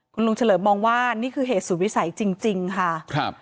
คุณลุงเฉลิมมองว่านี่คือเหตุสุดวิสัยจริงค่ะครับ